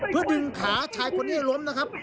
เพื่อดึงขาชายคนนี้ให้ล้มนะครับ